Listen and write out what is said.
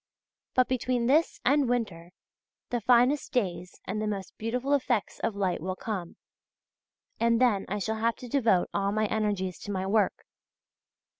But between this and winter, the finest days and the most beautiful effects of light will come, and then I shall have to devote all my energies to my work.